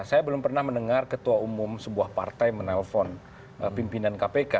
saya belum pernah mendengar ketua umum sebuah partai menelpon pimpinan kpk